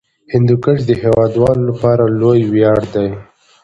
هندوکش د هیوادوالو لپاره لوی ویاړ دی.